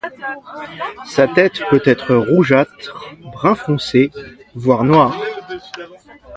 Sa tête peut être rougeâtre, brun foncé voir noir.